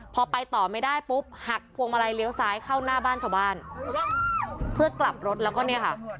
พอไปต่อไม่ได้ปุ๊บหักพวงมาลัยเลี้ยวซ้ายเข้าหน้าบ้านชาวบ้านเพื่อกลับรถแล้วก็เนี่ยค่ะ